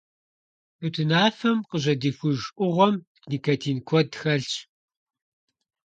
Тутынафэм къыжьэдихуж Ӏугъуэм никотин куэд хэлъщ.